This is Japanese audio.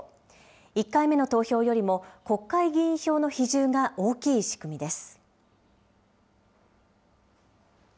１回目の投票よりも、国会議員票の比重が大きい仕組みです。